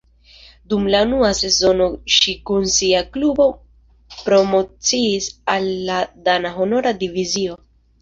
Dum la unua sezono ŝi kun sia klubo promociis al la dana honora divizio.